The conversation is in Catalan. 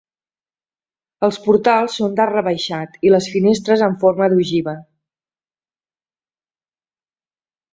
Els portals són d'arc rebaixat i les finestres en forma d'ogiva.